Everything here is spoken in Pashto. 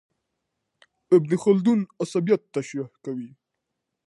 ابن خلدون عصبيت تشريح کوي.